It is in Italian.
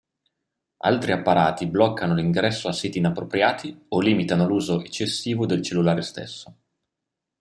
Altri apparati bloccano l'ingresso a siti inappropriati o limitano l'uso eccessivo del cellulare stesso.